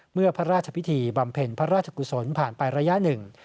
เมื่อพระราชพิธีบำเพ็ญพระราชกุศลผ่านไประยะหนึ่ง